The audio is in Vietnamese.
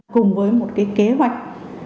cùng với một cái kế hoạch